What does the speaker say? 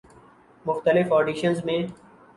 مختلف آڈیشنزمیں